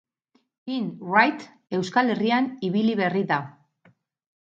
Kim Wright Euskal Herrian ibili berri da.